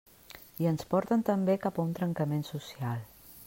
I ens porten també cap a un trencament social.